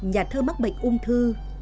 nhà thơ mắc bệnh ung thư